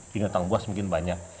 binatang buas mungkin banyak